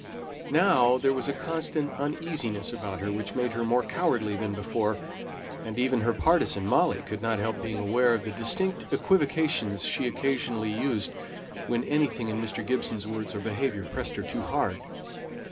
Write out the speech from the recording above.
Now there was a constant uneasiness about her which made her more cowardly than before; and even her partisan, Molly, could not help being aware of the distinct equivocations she occasionally used when anything in Mr. Gibson's words or behaviour pressed her too hard.